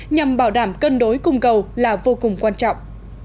nhằm bảo đảm cân đối cung cầu là vô cùng quan trọng